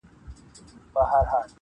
• غزرائيل د دښمنانو -